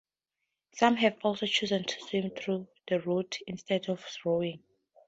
Some have also chosen to swim through the route instead of rowing.